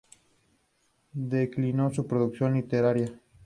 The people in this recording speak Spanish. se han analizado la ganadería extensiva, el hábitat rural, la biodiversidad